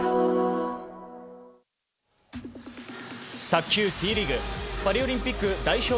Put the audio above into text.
卓球、Ｔリーグパリオリンピック代表